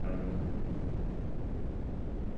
زه به ماشوم غلی کړم، خو ته ژر اوبه راوړه.